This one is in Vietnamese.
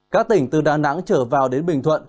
các tỉnh từ đà nẵng trở vào đến bình thuận